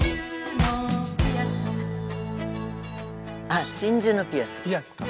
あっ「真珠のピアス」。